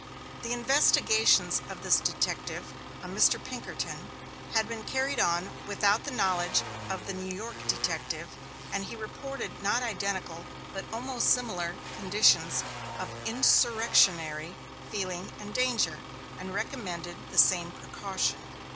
The investigations of this detective, a Mr. Pinkerton, had been carried on without the knowledge of the New York detective, and he reported not identical, but almost similar, conditions of insurrectionary feeling and danger, and recommended the same precaution.